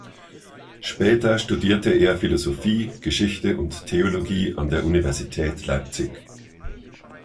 Später studierte er Philosophie, Geschichte und Theologie an der Universität Leipzig.